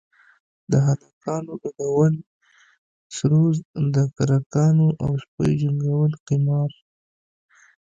د هلکانو گډول سروذ د کرکانو او سپيو جنگول قمار.